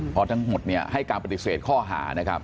เพราะทั้งหมดนี้ให้การปฏิเสธข้อหา